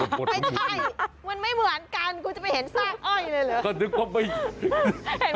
มันไม่เหมือนกันครูจะไปเห็นสร้างอ้อยเลยเหรอ